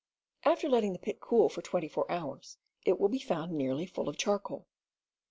After letting the pit cool for twenty four hours, it will be found nearly full of charcoal.